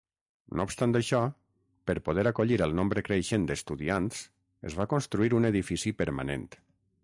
No obstant això, per poder acollir el nombre creixent d'estudiants, es va construir un edifici permanent.